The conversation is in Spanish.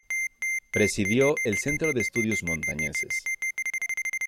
Presidió el Centro de Estudios Montañeses.